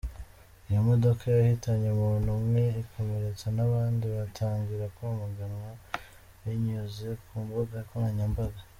Iyo modoka yahitanye umuntu umwe ikomeretsa n’abandi, bitangira kwamaganwa binyuze ku mbuga nkoranyambaga.